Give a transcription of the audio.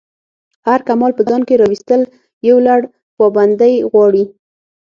هر کمال په ځان کی راویستل یو لَړ پابندی غواړی.